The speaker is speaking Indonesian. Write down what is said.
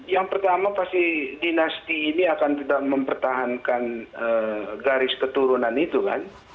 yang pertama pasti dinasti ini akan tidak mempertahankan garis keturunan itu kan